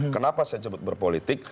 kenapa saya sebut berpolitik